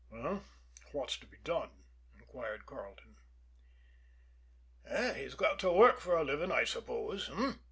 "Well, what's to be done?" inquired Carleton. "He's got to work for a living, I suppose eh?"